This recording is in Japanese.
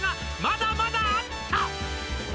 「まだまだあった！」